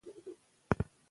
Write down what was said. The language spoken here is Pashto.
اړوند د مربوط معنا ورکوي.